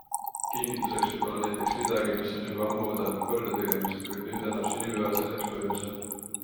Kingituseks võib olla näiteks midagi, mis on juba ammu oodanud korda tegemist, kuid nüüd annab sünnipäev selleks põhjuse.